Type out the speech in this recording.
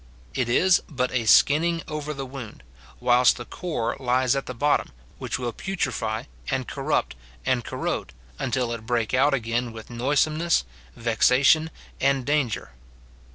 It is but a skinning over the wound, whilst the core lies at the bottom, which will putrefy, and corrupt, and corrode, until it break out again with noisomeness, vexation, and danger.